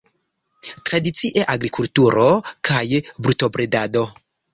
Tradicie agrikulturo kaj brutobredado.